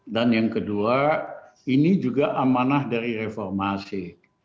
dan yang kedua ini juga amanah dari reformasi